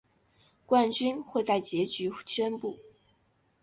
冠军会在结局宣布。